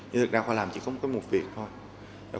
nhưng thực ra khoa làm chỉ có một việc thôi